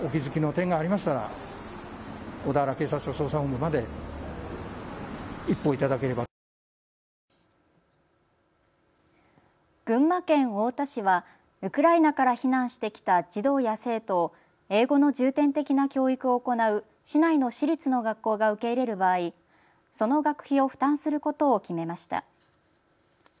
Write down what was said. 群馬県太田市はウクライナから避難してきた児童や生徒を英語の重点的な教育を行う市内の私立の学校が受け入れる場合、その学費を負担することを決めました。